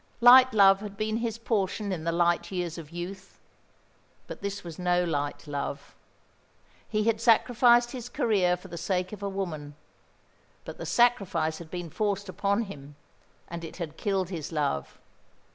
Light love had been his portion in the light years of youth; but this was no light love. He had sacrificed his career for the sake of a woman; but the sacrifice had been forced upon him, and it had killed his love.